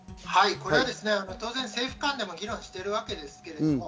これはですね、当然、政府間でも議論しているわけです。